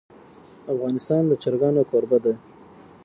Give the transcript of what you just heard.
افغانستان د چرګان کوربه دی.